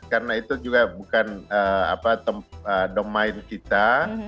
karena itu juga bukan domain kita